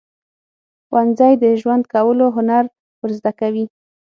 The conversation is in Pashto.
ښوونځی د ژوند کولو هنر ورزده کوي.